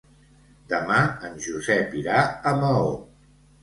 Demà en Josep irà a Maó.